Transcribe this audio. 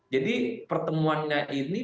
jadi pertemuannya ini